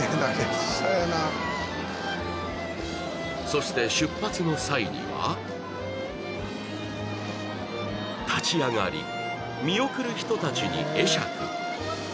そして出発の際には立ち上がり見送る人たちに会釈